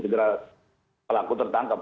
segera pelaku tertangkap